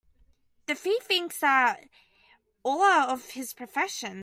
The thief thinks that all are of his profession.